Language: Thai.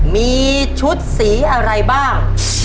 มีชุดสีอะไรบ้าง